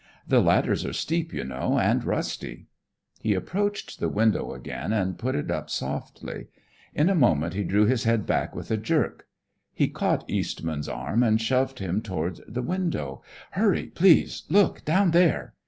The ladders are steep, you know, and rusty." He approached the window again and put it up softly. In a moment he drew his head back with a jerk. He caught Eastman's arm and shoved him toward the window. "Hurry, please. Look! Down there."